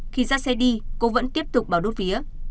khi ra xe đi cô vẫn tiếp tục vào đốt phía